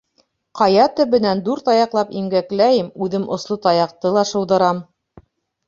— Ҡая төбөнән дүрт аяҡлап имгәкләйем, үҙем осло таяҡты ла шыуҙырам.